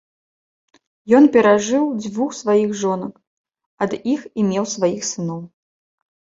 Ён перажыў дзвюх сваіх жонак, ад іх і меў сваіх сыноў.